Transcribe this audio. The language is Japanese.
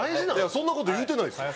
そんな事言うてないですよ。